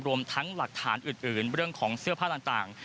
รวมทั้งหลักฐานอื่นเรื่องของเสื้อผ้าต่าง